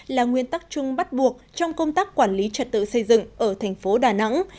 là nguyên tắc chung bắt buộc trong công tác quản lý trật tự xây dựng ở thành phố đà nẵng